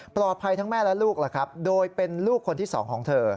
ปลอดภัยทั้งแม่และลูกหรือครับโดยเป็นลูกคนที่สองของเธอ